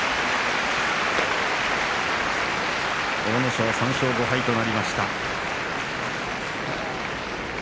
阿武咲、３勝５敗となりました。